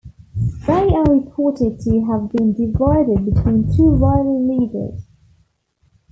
They are reported to have been divided between two rival leaders.